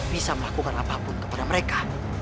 bisa melakukan apapun kepada mereka